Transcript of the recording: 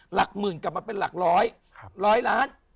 หลักหมื่นกลับมาเป็นหลักร้อย